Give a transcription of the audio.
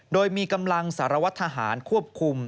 โดยมีกำลังสารวัตรทหารควบคุม